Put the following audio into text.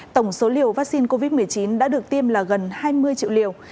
tổng số liều vaccine covid một mươi chín đã được tiêm là gần hai mươi triệu liều